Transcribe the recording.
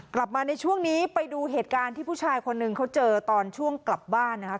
กลับมาในช่วงนี้ไปดูเหตุการณ์ที่ผู้ชายคนหนึ่งเขาเจอตอนช่วงกลับบ้านนะครับ